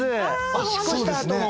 おしっこしたあとの。